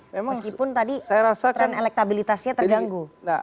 meskipun tadi tren elektabilitasnya terganggu